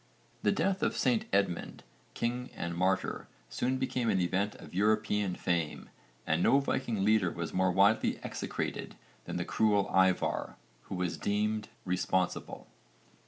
The death of St Edmund, king and martyr, soon became an event of European fame and no Viking leader was more widely execrated than the cruel Ívarr, who was deemed responsible.